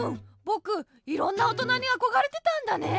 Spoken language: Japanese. ぼくいろんなおとなにあこがれてたんだね！